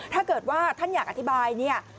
ถ้าเกิดว่าท่านอยากอธิบายเนี่ย